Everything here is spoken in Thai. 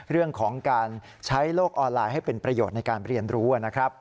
เรื่องของการใช้โลกออนไลน์ให้เป็นประโยชน์ในการเรียนรู้นะครับ